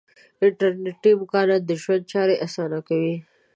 انټرنیټي امکانات د ژوند چارې آسانه کوي.